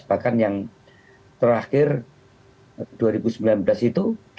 bahkan yang terakhir dua ribu sembilan belas itu